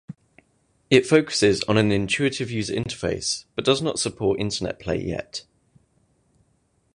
It focuses on an intuitive user interface, but does not support internet play yet.